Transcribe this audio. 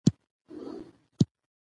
کوم کتاب چې ګټور نه وي باید چاپ نه شي.